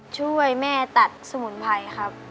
ช่วยแม่ตัดสมุนไพรครับ